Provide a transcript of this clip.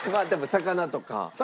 魚とか。